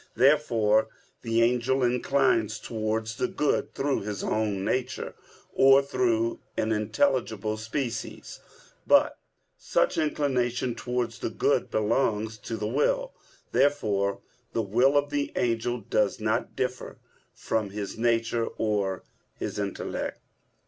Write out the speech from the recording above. Therefore the angel inclines towards the good through his own nature, or through an intelligible species. But such inclination towards the good belongs to the will. Therefore the will of the angel does not differ from his nature or his intellect.